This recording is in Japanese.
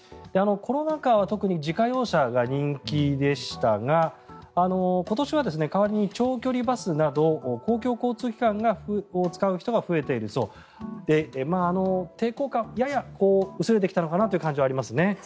コロナ禍は特に自家用車が人気でしたが今年は代わりに長距離バスなど公共交通機関を使う人が増えているそうで抵抗感がやや薄れてきたのかなという感じがありますね。